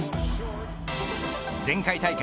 前回大会